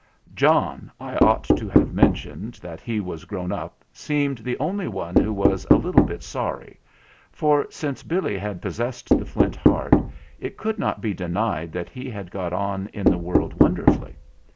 John I ought to have mentioned that he was grown up seemed the only one who was a little bit sorry, for since Billy had possessed the Flint Heart it could not be denied that he had got on in the world wonderfully.